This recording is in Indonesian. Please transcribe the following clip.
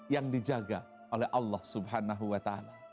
yang dijaga oleh allah swt